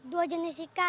dua jenis ikan